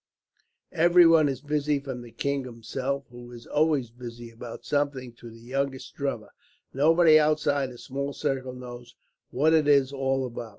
Everyone is busy, from the king himself who is always busy about something to the youngest drummer. Nobody outside a small circle knows what it is all about.